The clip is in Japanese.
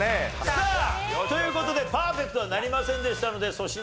さあという事でパーフェクトはなりませんでしたので粗品